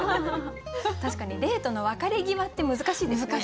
確かにデートの別れ際って難しいですよね。